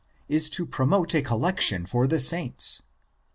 —ix.) is to promote a collection for the saints.